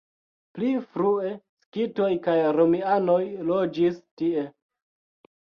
Pli frue skitoj kaj romianoj loĝis tie.